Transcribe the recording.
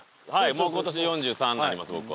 もう今年４３になります僕は。